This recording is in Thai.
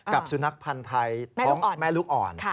กับสุนัขพันธ์ไทยท้องแม่ลูกอ่อน